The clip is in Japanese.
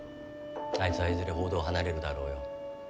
あいつはいずれ報道を離れるだろうよ。